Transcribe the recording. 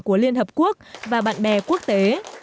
của liên hợp quốc và bạn bè quốc tế